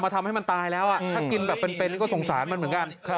ทำให้มันตายแล้วถ้ากินแบบเป็นก็สงสารมันเหมือนกัน